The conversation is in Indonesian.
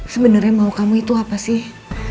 sebenarnya mau kamu itu apa sih